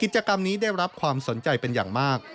กิจกรรมนี้ได้รับความสนใจเป็นอย่างมาก